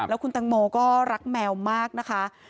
แล้วคุณตังโมก็รักแมวมากนะคะ